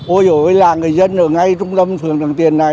ôi ôi là người dân ở ngay trung tâm phường trần tiền này